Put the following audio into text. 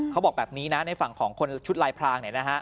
เขาบอกแบบนี้นะในฝั่งของคนชุดลายพราง